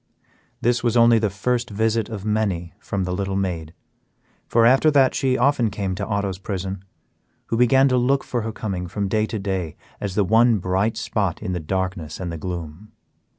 This was only the first visit of many from the little maid, for after that she often came to Otto's prison, who began to look for her coming from day to day as the one bright spot in the darkness and the gloom.